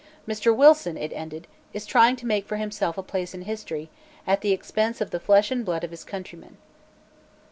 "Mr. Wilson," it ended, "is trying to make for himself a place in history, at the expense of the flesh and blood of his countrymen."